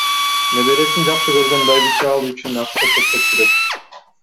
Небересин жакшы көргөн байбиче ал үчүн акча топтоп жүрөт.